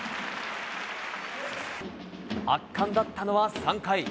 圧巻だったのは３回。